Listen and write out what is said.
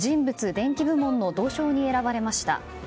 ・伝記部門の銅賞に選ばれました。